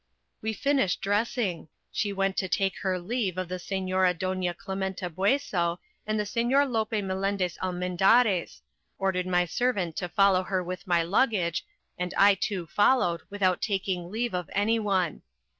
We finished dressing; she went to take her leave of the señora Doña Clementa Bueso and the señor Lope Melendez Almendarez, ordered my servant to follow her with my luggage, and I too followed without taking leave of any one.